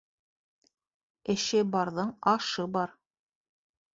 Эше барҙың ашы бар